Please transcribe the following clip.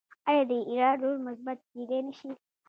آیا د ایران رول مثبت کیدی نشي؟